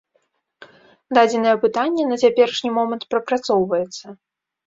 Дадзенае пытанне на цяперашні момант прапрацоўваецца.